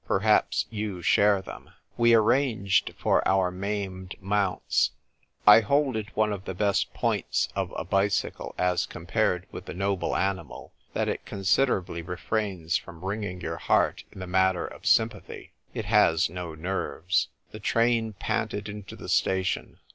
Perhaps you share them. We arranged for our maimed mounts. I hold it one of the best points of a bicycle, as compared with the noble animal, that it con siderately refrains from wringing your heart in the matter of sympathy. It has no nerves. The train panted into the station.